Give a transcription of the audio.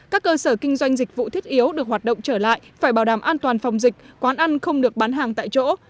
các cơ sở kinh doanh dịch vụ thiết yếu được hoạt động trở lại phải bảo đảm an toàn phòng dịch quán ăn không được bán hàng tại chỗ